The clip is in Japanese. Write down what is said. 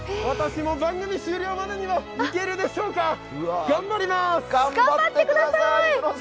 私も番組終了までには行けるんでしょうか。